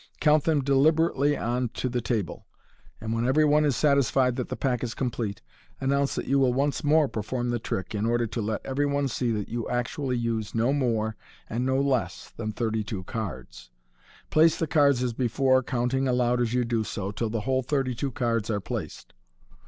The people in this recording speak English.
Count them deliberately on to the table, and, when every one is satisfied that the pack is complete, announce that you will once more perform the trick, in order to let every one see that you actually use no more and no less than thirty two cards. Place the cards as before, counting aloud as you do so, till the whole thirty two cards are placed.